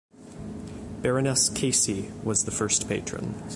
Baroness Casey was the first patron.